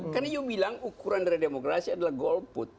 kan ibu bilang ukuran dari demokrasi adalah golput